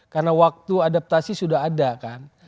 karena waktu adaptasi sudah ada kan